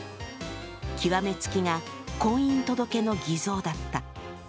極めつきが婚姻届の偽造だった。